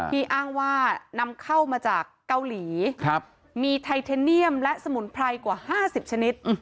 อ้างว่านำเข้ามาจากเกาหลีมีไทเทเนียมและสมุนไพรกว่า๕๐ชนิด